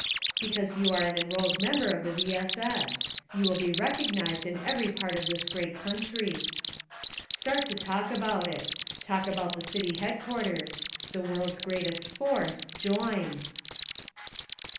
^ Because you are an enrolled member of the V. S. S. You will be recog nized in every part of this great country. Start to talk about it. Ask about the city headquarters. The world's greatest force— JOIN